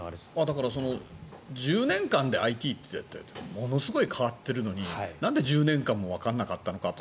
だから１０年間でＩＴってものすごく変わっているのになんで１０年間もわからなかったのかと。